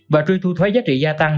và truy thu thuế giá trị gia tăng